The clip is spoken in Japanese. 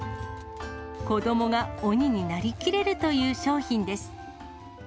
子どもが鬼になりきれるという商品です。